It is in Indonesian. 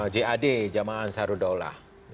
jad jaman ansarudola